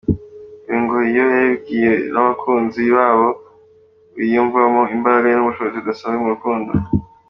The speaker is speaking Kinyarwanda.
Ibi ngo iyo babibwiwe n’abakunzi babo biyumvamo imbaraga n’ubushobozi budasanzwe mu rukundo.